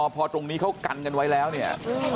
พอตรงนี้พรางกั้นไว้